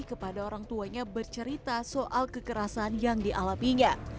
kepada orang tuanya bercerita soal kekerasan yang dialaminya